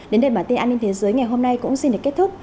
đến đây bản tin an ninh thế giới ngày hôm nay cũng xin được kết thúc